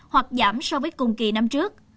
hoặc giảm so với cùng kỳ năm trước